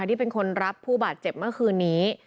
ที่เป็นคนรับผู้บาดเจ็บเมื่อคืนนี้